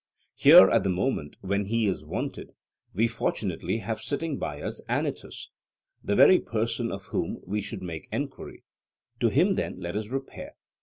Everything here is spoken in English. Here at the moment when he is wanted we fortunately have sitting by us Anytus, the very person of whom we should make enquiry; to him then let us repair.